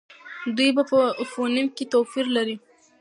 دوی په فونېم کې توپیر لري.